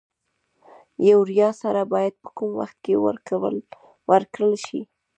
یوریا سره باید په کوم وخت کې ورکړل شي؟